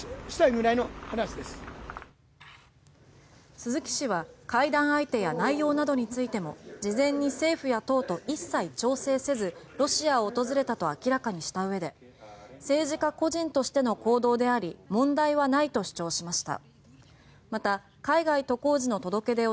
鈴木氏は会談相手や内容などについても事前に政府や党と一切調整せずロシアを訪れたと明らかにした上で政治家個人としての行動であり問題はないと主張しました。